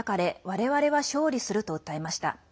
われわれは勝利すると訴えました。